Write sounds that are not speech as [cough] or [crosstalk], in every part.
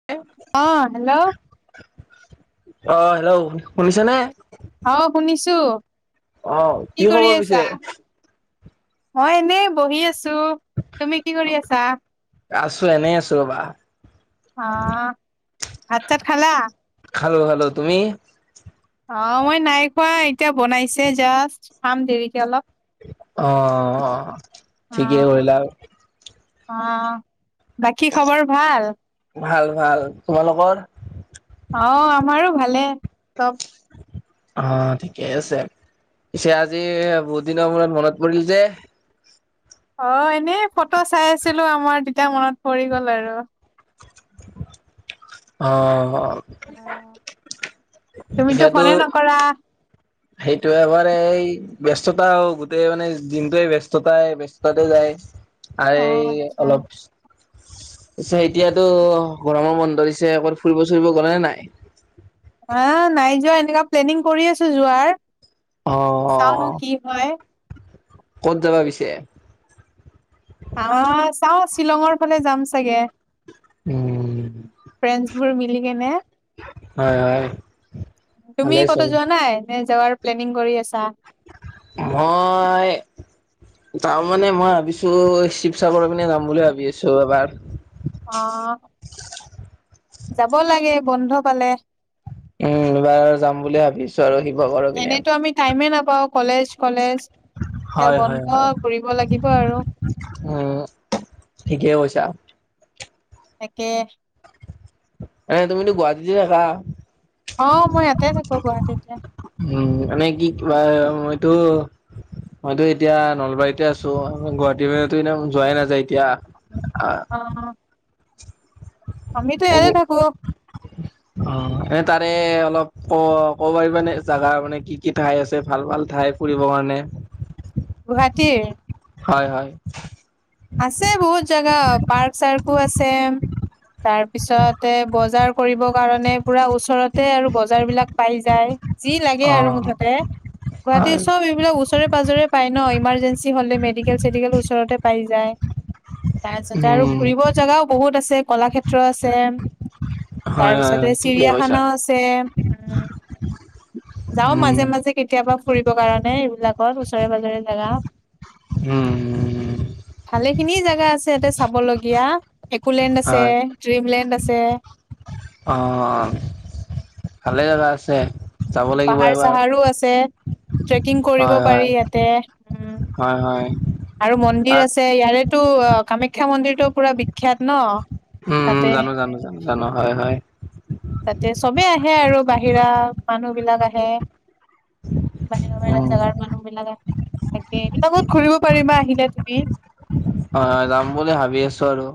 [unintelligible] অ hello. অ hello শুনিছে নে? অ শুনিছো, অ কি খবৰ কৰি পিছে আছা? মই এনেই বহি আছো। তুমি কি কৰি আছা? আছো এনেই আছো ৰ'বা অ ভাত চাত খালা? খালোঁ খালোঁ তুমি অ মই নাই খোৱা এতিয়া বনাইছে জাষ্ট খাম দেৰিকে অলপ অ অ অ অ ঠিকে কৰিলা অ বাকী খবৰ ভাল ভাল ভাল তোমালোকৰ? অ আমাৰো ভালে চব অ ঠিকেই আছে পিছে আজি বহুত দিনৰ মূৰত মনত পৰিল যে অ এনেই ফটো চাই আছিলো আমাৰ তেতিয়া মনত পৰি গল আৰু অ তুমিতো এতিয়াতো ফোনে নকৰা সেইটো এবাৰ এই ব্যস্ততা আৰু গোটেই মানে দিনটোৱে ব্যস্ততাই ব্যস্ততাতে যায় অ আই আচ্ছা অলপ আচ্ছা এতিয়াতো গৰমৰ বন্ধ দিছে এবাৰ ফুৰিব চুৰিব গ'লে নে নাই হা নাই যোৱা এনেকুৱা প্লেনিং কৰি আছো যোৱাৰ চাও অ কি হয় ক'ত যাবা পিছে হা চাও শ্বিলঙৰ ফালে যাম চাগে ফ্ৰেণ্ডচ উম বোৰ মিলি কেনে হয় হয় তুমি ভালেচোন। কত যোৱা নাই নে যাৱাৰ প্লেনিং কৰি আছা মই যাম মানে মই ভাবিছো শিৱসাগৰৰ পিনে যাম বুলি ভাবি আছো এবাৰ অ যাব লাগে বন্ধ পালে উম এইবাৰ আৰু যাম বুলি ভাবিছো আৰু শিৱসাগৰৰ পিনে এনেতো আমি টাইমে নাপাওঁ কলেজ কলেজ এতিয়া বন্ধ কৰিব লাগিব আৰু হম ঠিকেই কৈছা তাকে এনেই তুমিটো গুৱাহাটীতে থাকা অ মই ইয়াতে থাকো গুৱাহাটীতে উম মানে কি কিবা মইটো মইতো এতিয়া নলবাৰীতে আছো গুৱাহাটিতে এনে যোৱাই নাযায় এতিয়া আ অ আমিতো ইয়াতে থাকো [unintelligible] অ এ তাৰে অলপ ক'ব পাৰিবা নে জাগা মানে কি কি ঠাই আছে ভাল ভাল ঠাই ফুৰিবৰ কাৰণে গুৱাহাটীৰ হয় হয় আছে বহুত জাগা পাৰ্ক চাৰ্কো আছে তাৰ পিছতে বজাৰ কৰিব কাৰণে পুৰা ওচৰতে আৰু বজাৰ বিলাক পাই যায় যি লাগে আৰু অ', মুঠতে গুৱাহাটীৰ হয় চব এইবিলাক ওচৰে পাজৰে পাই ন ইমাৰজেঞ্চি হলে মেডিকেল চেডিকেল ওচৰতে পাই যায় তাৰপিছতে আৰু উম, ঘুৰিব জাগাও বহুত আছে কলাক্ষেত্ৰ আছে হয় তাৰ হয় হয় পিছতে ঠিকেই কৈছা। চিৰিয়াখানাও আছে উম যাওঁ উম, মাজে মাজে কেতিয়াবা ফুৰিব কাৰণে এইবিলাকত ওচৰে পাজৰে জাগা উম উম, ভালেখিনি জেগা আছে ইয়াতে চাব লগীয়া একোলেণ্ড আছে হয় ড্ৰিমলেণ্ড আছে অ ভালে জাগা আছে যাব উম লাগিব পাহাৰ এবাৰ চাহাৰো আছে ট্ৰেকিং কৰিব হয় হয় পাৰি ইয়াতে উম হয় হয় আৰু মন্দিৰ তাত আছ ছে ইয়াৰেতো আ কামাখ্যা মন্দিৰটো পুৰা বিখ্যাত ন উম তাতে জানো জানো জানো জানো হয় হয় তাতে চবে আহে আৰু বাহিৰা মানুহ বিলাক আহে বাহিৰা বাহিৰা উম, জেগাৰ মানুহ বিলাক আহ তাকে এইবিলাকত ঘূৰিব পাৰিবা আহিলে তুমি হয় হয় যাম বুলি ভাবি আছো আৰু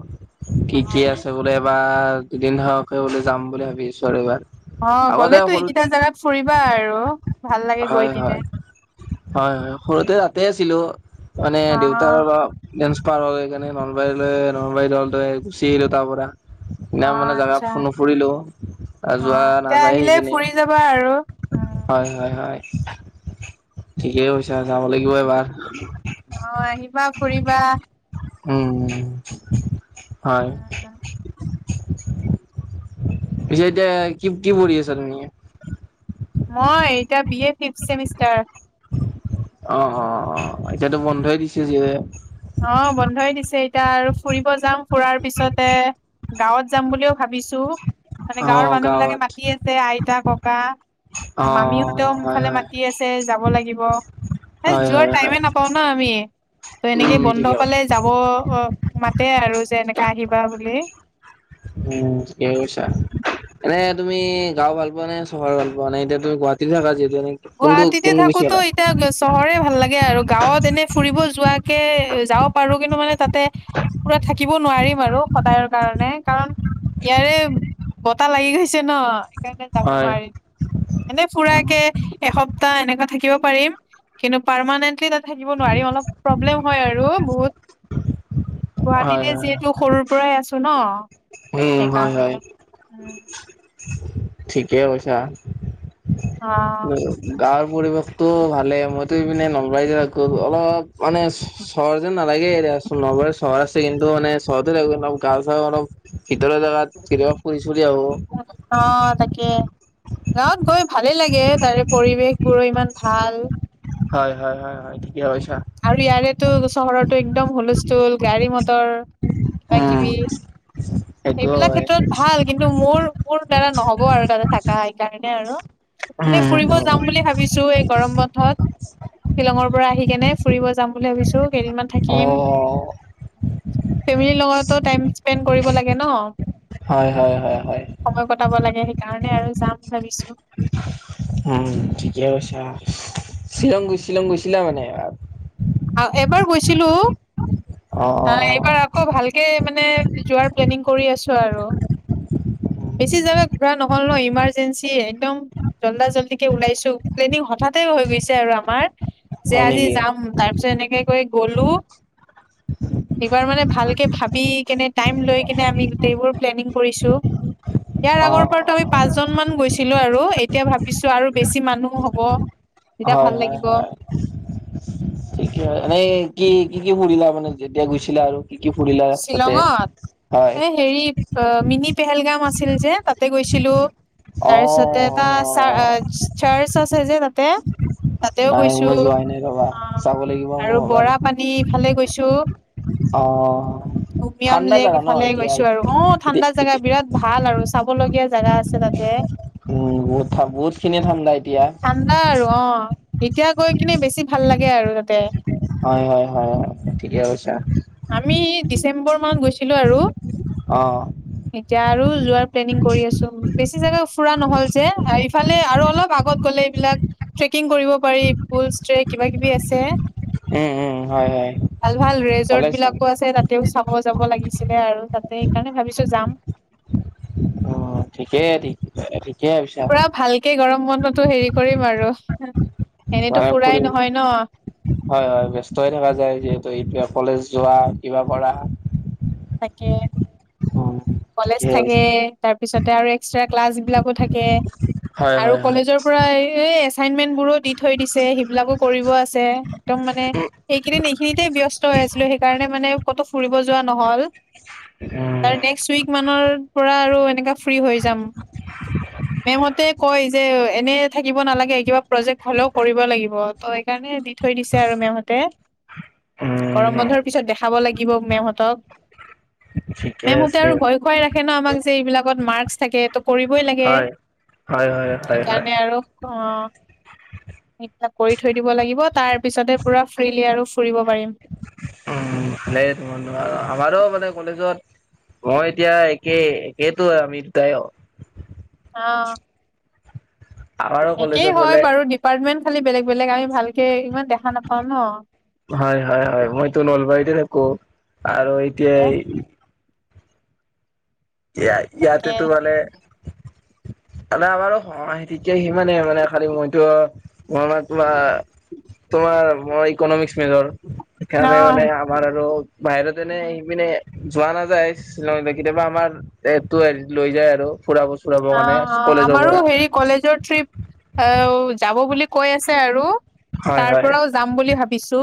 অ কি কি আছ বোলো এবাৰ দুদিন থকাকে বোলো যাম বুলি ভাবি আছো আৰু এইবাৰ অ গলেতো এইকেইটা জাগাত ফুৰিবা আৰু ভাল লাগে গৈ হয় কিনে হয় হয় হয় সৰুতে তাতে আছিলো মানে অ দেউতাৰ বা ডেন্সপাৰ হৈ সেইকাৰণে নলবাৰীলৈ নলবাৰীত দলটোৱে গুচি আহিলো তাৰ পৰা অ নাম মানে জেগা আচ্ছা নুফুৰিলো অ যোৱা এতিয়া নাযায় আহিলে সিপিনে ফুৰি যাবা আৰু উম, হয় হয় হয় ঠিকেই কৈছা যাব লাগিব এবাৰ অ আহিবা ফুৰিবা উম হয় উম, পিছে এতিয়া কি কি পঢ়ি আছা তুমি মই এতিয়া বি এ ফিফ চেমিষ্টাৰ অ অ অ এতিয়াতো বন্ধই দিছে যে অ বন্ধই দিছে এতিয়া আৰু ফুৰিব যাম ফুৰাৰ পিছতে গাঁৱত যাম বুলিও ভাবিছো মানে অ গাঁৱৰ মানুহ বিলাকে গাঁৱত মাতি আছে আইতা ককা অ মামীহঁতেও হয় ইফালে হয় মাতি আছে যাব লাগিব এ হয় যোৱাৰ হয় হয় টাইমে নাপাও না আমি ত এনেকে উম বন বন্ধ ঠিকে পালে যাব অ, মাতে আৰু যে এনেকা আহিবা বুলি। উম, ঠিকেই কৈছা। এনে তুমি গাঁও ভাল পোৱা নে চহৰ ভাল পোৱা নে এতিয়া তুমি গুৱাহাটী থাকা যিহেতুকে গুৱাহাটীতে থাকোতো এতিয়া চহৰে ভাল লাগে আৰু গাঁৱত এনে ফুৰিব যোৱাকে যাব পাৰো কিন্তু মানে তাতে পুৰা থাকিব নোৱাৰিম আৰু সদায়ৰ কাৰণে কাৰণ ইয়াৰে বতাহ লাগি গৈছে ন সেইকাৰণে যাব হয় নোৱাৰিম এনে ফুৰাকে এসপ্তাহ এনেকুৱা থাকিব পাৰিম কিন্তু পাৰমানেন্টলি তাত থাকিব নোৱাৰিম অলপ প্ৰব্লেম হয় আৰু বহুত। হয় গুৱাহাটীতে হয়। যিহেতু সৰুৰ পৰাই আছো ন। উম, সেইকাৰণে হয়-হয় উম ঠিকেই কৈছা। অ গাঁৱৰ পৰিৱেশতটো ভালে মইতো ইপিনে নলবাৰীতে থাকো অলপ মানে চহৰ যেন নালাগেই এতিয়া, নগৰে চহৰ আছে কিন্তু মানে চহৰতে লাগে গাওঁ-চাওঁ অলপ ভিতৰৰ জেগাত কেতিয়াবা ফুৰি চোৰি অ আহো। তাকে গাঁৱত গৈ ভালে লাগে তাৰে পৰিৱেশ বোৰো ইমান ভাল। হয়-হয়-হয়-হয় ঠিকে কৈছা। আৰু ইয়াৰেতো চহৰতো একদম হুলস্থুল গাড়ী মটৰ কিবা উম কিবি। সেইটোও সেইবিলাক হয়। ক্ষেত্ৰত ভাল, কিন্তু মোৰ-মোৰ দ্বাৰা নহ'ব আৰু তাতে থাকা। তেনেকে আৰু এনে উম ফুৰিব যাম বুলি ভাবিছো এই গৰম বন্ধত। শ্বিলঙৰ পৰা আহি কেনে ফুৰিব যাম বুলি ভাবিছো কেইদিনমান অ থাকিম। ফেমিলিৰ লগতো টাইম স্পেণ্ড কৰিব লাগে ন। হয়-হয়-হয়-হয়। সময় কটাব লাগে সেইকাৰণে আৰু যাম ভাবিছো। উম, ঠিকে কৈছা। শ্বিলং গৈ-শ্বিলং গৈছিলা মানে? আৰু এবাৰ গৈছিলো অ অ এইবাৰ আকৌ ভালকে মানে যোৱাৰ প্লেনিং কৰি আছো আৰু। বেছি জাগা ঘূৰা নহ'ল ন ইমাৰ্জেঞ্চি একদম। জল্দা জল্ডিকে ওলাইছো প্লেনিং হঠাতে হৈ গৈছে আৰু আমাৰ, যে হয় আজি নেকি যাম তাৰ তেনেকে কৰি গ'লো। [inaudible] এইবাৰ মানে ভালকে ভাবি কেনে টাইম লৈ কেনে আমি গোটেইবোৰ প্লেনিং কৰিছো। ইয়াৰ অ আগৰ পৰা ত আমি হয় পাঁচজন মান গৈছিলো আৰু, এতিয়া ভাবিছো আৰু বেছি মানুহ হ'ব। তেতিয়া ভাল লাগিব। হয়-হয়-হয়। এনেই কি-কি-কি ফুৰিলা মানে যেতিয়া গৈছিলা আৰু? কি-কি ফুৰিলা তাতে শ্বিলঙত হয়। এই হেৰি অ, মিনি পেহেলগাম আছিল যে তাত তাতে গৈছিলো, অ তাৰপিছতে এটা চ চাৰ্চ আছে যে তাতে তাতেও নাই গৈছো মই যোৱাই নাই ৰবা অ, চাব লাগিব মোৰ আৰু এবাৰ বৰা পানী ইফালে গৈছো। অ', হুমিয়াম ঠাণ্ডা লেক জাগা ন ইফালে এতিয়া গৈছো আৰু অ, এতিয়া ঠাণ্ডা জোগা এতিয়া বিৰাট ভাল আৰু চাবলগীয়া। জেগা আছে তাতে। উম, বহুত-বহুত খিনি ঠাণ্ডা এতিয়া। ঠাণ্ডা আৰু অ, এতিয়া গৈ কিনে বেছি ভাল লাগে আৰু তাতে। হয়-হয়-হয়-হয় ঠিকে কৈছা। আমি ডিচেম্বৰ মাহত গৈছিলো আৰু। অ', এতিয়া আৰু যোৱাৰ প্লেনিং কৰি আছো, বেছি জোগা ফুৰা নহল যে, ইফালে আৰু অলপ আগত এইবিলাক ট্ৰেকিং কৰিব পাৰি বুল ট্ৰেক কিবা কিবি আছে। উম উম হয় হয় ভাল ভাল ৰেজৰ্ট বিলাক ভালেচোন আছে তাতেও চাব যাব লাগিছিলে আৰু তাতে সেইকাৰণে ভাবিছো যাম। অ', ঠিকেই [unintelligible] পুৰা ভালকে গৰম বন্ধটো হেৰি কৰিম আৰু, এনেইতো মানে ফুৰাই ফুৰিম নহয় ন? হয়, হয় ব্যস্ত থকা যায় যিহেতু এতিয়া কলেজ যোৱা কিবা কৰা। তাকে উম, কলেজ ঠিকে থাকে হৈছে তাৰপিছতে আৰু এক্সট্ৰা ক্লাছ বিলাকো থাকে। থাকে হয় আৰু হয় হয় কলেজৰ পুৰা এই এছাইনমেন্ট বোৰো দি থৈ দিছে সেইবিলাকো কৰিব আছে, একদম মানে সেইকেইদিন এইখিনিতে ব্যস্ত হৈ আছিলো, সেইকাৰণে মানে ক'তো ফুৰিব যোৱা নহ'ল। উম তাৰ নেক্সট উইক মানৰ পৰা আৰু এনেকা ফ্ৰী হৈ যাম। [unintelligible] মেমহঁতে কয় যে এনে থাকিব নালাগে কিবা প্ৰজেক্ট হলেও কৰিব লাগিব। অ' সেইকাৰণে দি থৈ দিছে আৰু মেমহঁতে। গৰম উম বন্ধৰ পিছত দেখাব লাগিব মেমহঁতক। [unintelligible] ঠিকে মেম হঁতে আছে আৰু ভয় খুৱাই ৰাখে ন আমাক যে এইবিলাকত মাৰ্ক থাকে ট কৰিবই লাগে। হয়-হয়-হয়-হয়। সেইকাৰণে অ। সেইবিলাক কৰি থৈ দিব লাগিব, তাৰ পিছতহে পুৰা ফ্ৰিলি আৰু ফুৰিব পাৰিম। উম, সেই ত আৰু আমাৰো মানে কলেজত মই এতিয়া একেই একেইটো আমি দুটা অ'। অ'। আমাৰো একেই কলেজত হয় মানে বাৰু ডিপাৰ্টমেণ্ট খালি বেলেগ বেলেগ আমি ভালকে ইমান দেখা নাপাও ন'। হয়-হয়-হয় মইতো নলবাৰীতে থাকো আৰু তাকে এতিয়া ইয়াতেটো মানে। দাদা আমাৰ তেতিয়া সিমানে মানে খালি মইতো মই মানে তোমাৰ তোমাৰ ম ইকনমিক্স মেজৰ অ সেইকাৰণে মানে আমাৰ আৰু বাহিৰতে এনে সেইপিনে যোৱা নাযায়। শ্বিলং কেতিয়াবা আমাৰ এইটো হে লৈ যায় আৰু ফুৰাব চুৰাব অ মানে। অ' আমাৰো হেৰি কলেজৰ ট্ৰিপ যাব বুলি কৈ আছে আৰু। হয় তাৰ হয় পৰাও যাম বুলি ভাবিছো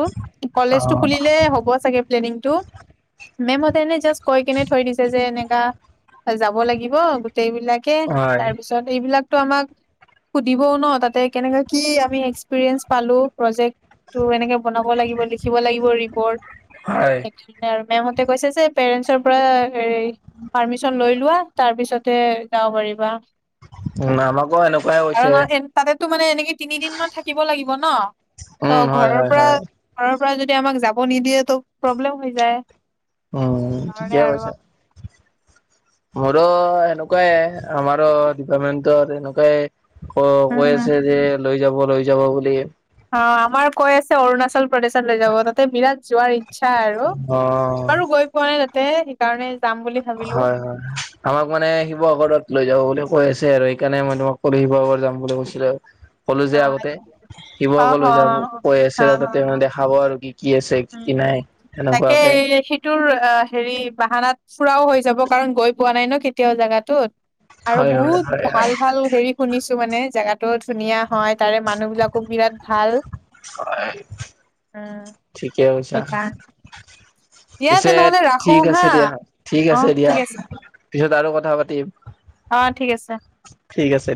অ কলেজটো খুলিলে হ'ব চাগে প্লেনিংটো। মেম হঁতে এনে জাষ্ট কৈ কেনে থৈ দিছে যে এনেকা যাব লাগিব গোটেইবিলাক। থাকে হয় তাৰপিছত এইবিলাকতো আমাক। সুধিবও ন তাতে কেনেকাে কি আমি এক্সপিৰিয়েঞ্চ পালো প্ৰজেক্ট। তটো এনেকে বনাব লাগিব লিখিব লাগিব ৰিপৰ্ট। হয়। আৰু মেমহঁতে কৈছে যে পেৰেন্টচৰ পৰা হ পাৰ্মিচন লৈ লোৱা তাৰ পিছতহে যাব পাৰিবা। উ আমাকো এনেকুৱাই কাৰণ কৈছে। এ- তাতেতো মানে এনেকে তিনিদিন মান থাকিব লাগিব ন ত উম হয় ঘৰৰ হয় পৰা হয় ঘৰৰ পৰা যদি আমাক যাব নিদিয়ে তো প্ৰব্লেম হৈ যায়। উম, সেইকাৰণে ঠিকে আৰু কৈছা। মোৰো সেনেকুৱাই আমাৰো ডিপাৰ্টমেন্টৰ এনেকুৱাই। ক, কৈ উম আছে যে লৈ যাব লৈ যাব বুলি। অ' আমাৰ কৈ আছে অৰুণাচল প্ৰদেশত লৈ যাব তাতে বিৰাট যোৱাৰ ই ইচ্ছা আৰু অ', এবাৰো গৈ পোৱা নাই তাতে সেইকাৰণে যাম বুলি ভাবিলো হয়-হয়। আমাক মানে শিৱসাগৰত লৈ যাব বুলি কৈ আছে আৰু সেইকাৰণে মই তোমাক কলো শিৱসাগৰ যাম বুলি কৈছিলোঁ। ক'লো যে অ', আগতে অ', শিৱসাগৰ অ', লৈ যাব অ', কৈ আছে তাতে মানে অ, দেখাব আৰু কি। আছে কি কি উম, নাই। সেনেকুৱাকে তাকেই তোৰ অ হেৰি বাহানাত ফুৰাও হৈ যাব কাৰণ গৈ পোৱা নাই ন কেতিয়াও জাগাটোত। আৰু হয়, হয়, হয়, বহুত হয়, ভাল ভাল হেৰি শুনিছো মানে জেগাতো ধুনীয়া। হয় তাৰে মানুহ বিলাকো বিৰাট ভাল উম'। ঠিকেই কৈছা। সেইকাৰণে দিয়া পিছে তেনেহ'লে ৰাখো ঠিক হা। আছে দিয়া, ঠিক আছে অ', দিয়া ঠিক পিছত আৰু কথা পাতিম। অ' ঠিক আছে। ঠিক আছে।